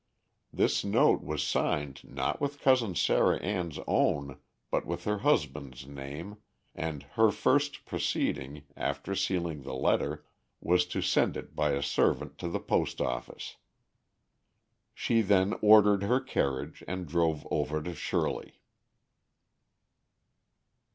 This note was signed not with Cousin Sarah Ann's own but with her husband's name, and her first proceeding, after sealing the letter, was to send it by a servant to the post office. She then ordered her carriage and drove over to Shirley.